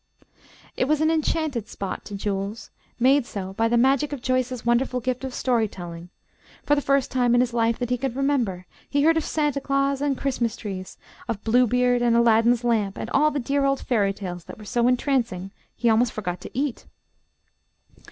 It was an enchanted spot to Jules, made so by the magic of Joyce's wonderful gift of story telling. For the first time in his life that he could remember, he heard of Santa Claus and Christmas trees, of Bluebeard and Aladdin's lamp, and all the dear old fairy tales that were so entrancing he almost forgot to eat.